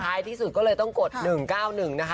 ที่สุดก็เลยต้องกด๑๙๑นะคะ